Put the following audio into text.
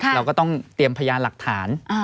เราก็ต้องเตรียมพยานหลักฐาน